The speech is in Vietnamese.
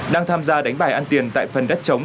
đang tham gia đánh bài ăn tiền tại phần đất chống